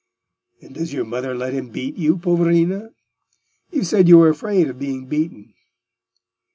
"And does your mother let him beat you, poverina? You said you were afraid of being beaten."